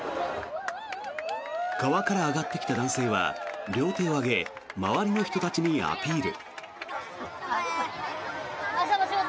川から上がってきた男性は両手を上げ周りの人たちにアピール。